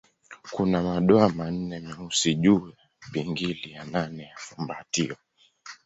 Kuna madoa manne meusi juu ya pingili ya nane ya fumbatio.